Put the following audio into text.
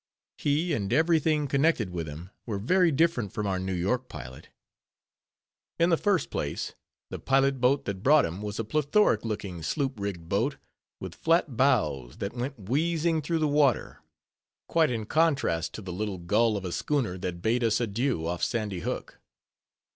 He, and every thing connected with him were very different from our New York pilot. In the first place, the pilot boat that brought him was a plethoric looking sloop rigged boat, with flat bows, that went wheezing through the water; quite in contrast to the little gull of a schooner, that bade us adieu off Sandy Hook.